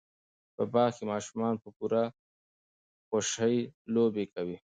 په باغ کې ماشومان په پوره خوشحۍ لوبې کوي.